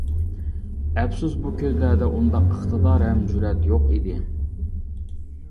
ئەپسۇس، بۇ كۆزلەردە ئۇنداق ئىقتىدار ھەم جۈرئەت يوق ئىدى.